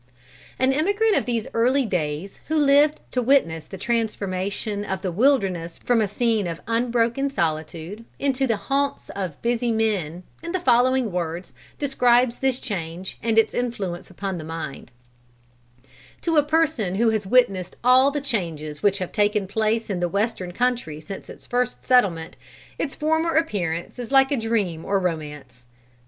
An emigrant of these early days who lived to witness the transformation of the wilderness from a scene of unbroken solitude into the haunts of busy men, in the following words describes this change and its influence upon the mind: "To a person who has witnessed all the changes which have taken place in the western country since its first settlement, its former appearance is like a dream or romance.